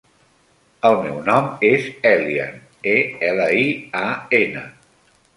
El meu nom és Elian: e, ela, i, a, ena.